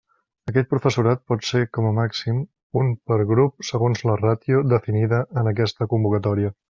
Aquest professorat pot ser com a màxim, un per grup segons la ràtio definida en aquesta convocatòria.